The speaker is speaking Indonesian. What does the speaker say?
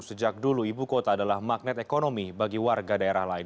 sejak dulu ibu kota adalah magnet ekonomi bagi warga daerah lain